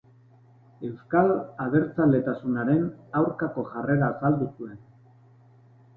Euskal abertzaletasunaren aurkako jarrera azaldu zuen.